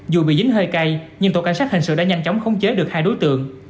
dù bị dính hơi cay nhưng tổ cảnh sát hình sự đã nhanh chóng khống chế được hai đối tượng